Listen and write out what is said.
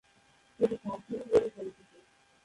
এটি "সাত বিহু" বলে পরিচিত।